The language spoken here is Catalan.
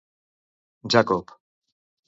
Jacob.